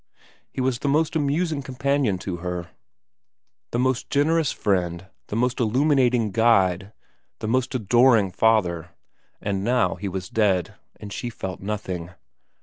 He was the most amusing companion to her, the most generous friend, the most illuminating guide, the most adoring father ; and now he was dead, and she felt nothing.